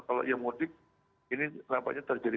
kalau yang mudik ini nampaknya terjadi